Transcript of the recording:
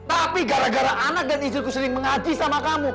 tapi gara gara anak dan istriku sering mengaji sama kamu